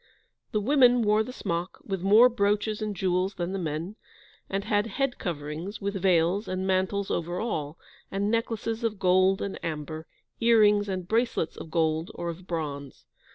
The women wore the smock, with more brooches and jewels than the men; and had head coverings, with veils, and mantles over all, and necklaces of gold and amber, earrings, and bracelets of gold or of bronze.